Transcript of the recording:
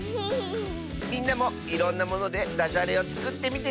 みんなもいろんなものでだじゃれをつくってみてね！